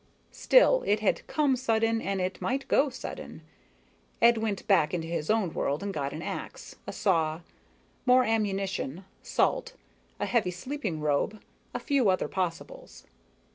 Still, it had come sudden, and it might go sudden. Ed went back into his own world and got an ax, a saw, more ammunition, salt, a heavy sleeping robe, a few other possibles.